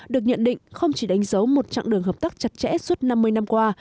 được nhận định không chỉ đánh dấu một chặng đường hợp tác chặt chẽ suốt năm mươi năm qua